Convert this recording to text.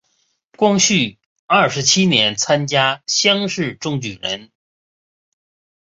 光绪二十七年参加乡试中举人。